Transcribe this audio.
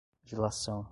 dilação